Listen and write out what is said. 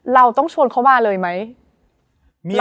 เราต้องชวนเขามาเลยไหม